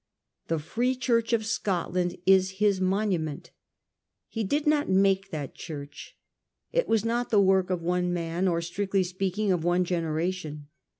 The Free Church of Scotland is his monument. He did not make that Church. It was not the work of one man, or, strictly speaking, of one generation.